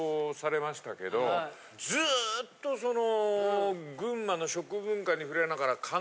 ずっとその。